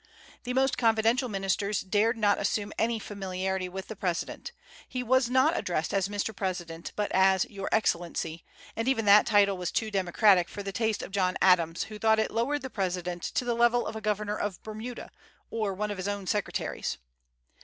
The most confidential ministers dared not assume any familiarity with the President. He was not addressed as "Mr. President," but as "Your Excellency," and even that title was too democratic for the taste of John Adams, who thought it lowered the president to the level of a governor of Bermuda, or one of his own secretaries.